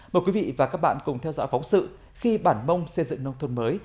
mời quý vị và các bạn cùng theo dõi phóng sự khi bản mông xây dựng nông thôn mới